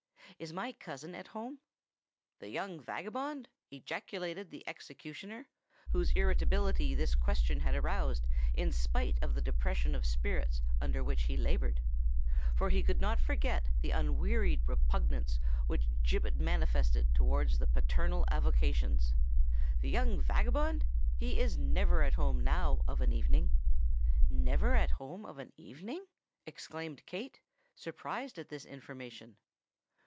"Is my cousin at home?" "The young vagabond!" ejaculated the executioner, whose irritability this question had aroused in spite of the depression of spirits under which he laboured; for he could not forget the unwearied repugnance which Gibbet manifested towards the paternal avocations:—"the young vagabond! he is never at home now of an evening." "Never at home of an evening!" exclaimed Kate, surprised at this information.